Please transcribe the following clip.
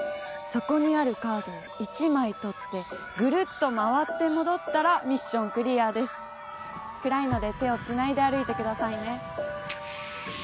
そこにあるカードを１枚取ってぐるっと回って戻ったらミッションクリアです暗いので手をつないで歩いてくださいね